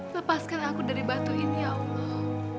lepaskan aku dari batu ini ya allah